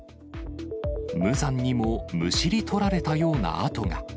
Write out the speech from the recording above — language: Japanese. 無残にもむしり取られたような跡が。